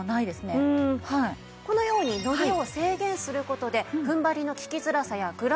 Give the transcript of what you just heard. このように伸びを制限する事で踏ん張りの利きづらさやぐら